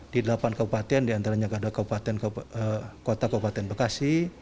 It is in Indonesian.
di delapan kabupaten di antaranya ada kota kabupaten bekasi